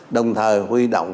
đồng thời huy động